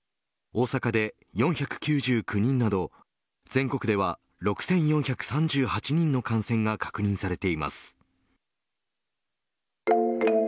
大阪で４９９人など全国では６４３８人の感染が確認されています。